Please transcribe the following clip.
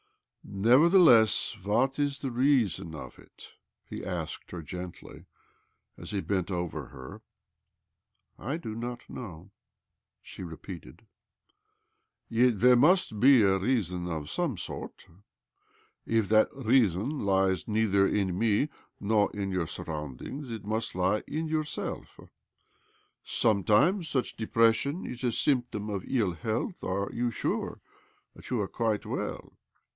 " Nevertheless, what is the reason of it? " he asked her gently as he bent over her. " I do not know," she repeated. " Yet there must be a reason of some sort. If that reason lies neither in me nor in your surroundings, it must lie in yourself. Some times such depression is a symptom of ill health. Are you sure that you are quite well?"